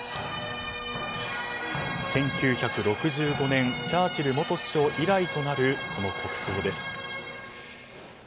１９６５年チャーチル元首相以来となるこの国葬です。